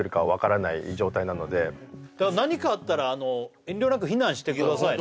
やっぱり何かあったら遠慮なく避難してくださいね